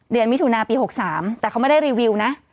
มิถุนาปี๖๓แต่เขาไม่ได้รีวิวนะ